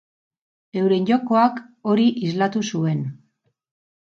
Euren jokoak hori islatu zuen.